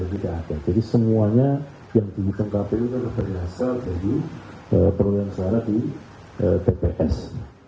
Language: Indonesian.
kepala kpu hasim asyari memastikan hasil rekapitulasi suara berjenjang dari tps